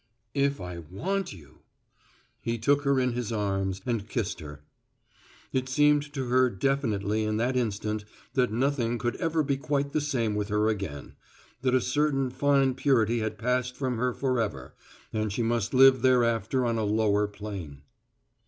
"If I want you " He took her in his arms and kissed her. It seemed to her definitely in that instant that nothing could ever be quite the same with her again, that a certain fine purity had passed from her forever and she must live thereafter on a lower plane.